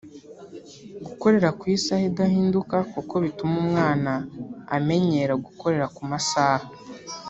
Gukorera ku isaha idahinduka kuko bituma umwana amenyera gukorera ku masaha